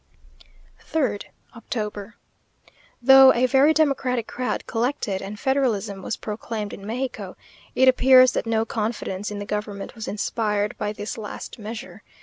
3rd October. Though a very democratic crowd collected, and federalism was proclaimed in Mexico, it appears that no confidence in the government was inspired by this last measure.